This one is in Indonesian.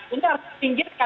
ini harus ditinggikan